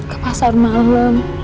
ke pasar malem